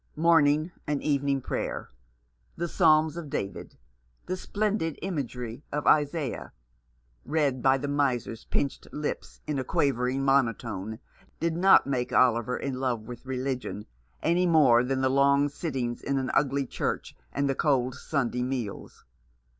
Morning and evening prayer, the Psalms of David, the splendid imagery of Isaiah, read by the miser's pinched lips, in a quavering monotone, did not make Oliver in love with religion, any more than the long sittings in an ugly church and the cold Sunday meals.